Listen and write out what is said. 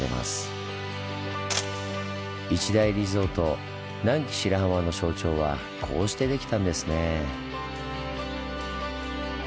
一大リゾート南紀白浜の象徴はこうしてできたんですねぇ。